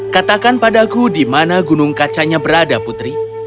katakan padaku di mana gunung kacanya berada putri